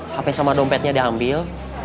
hp sama dompetnya diambil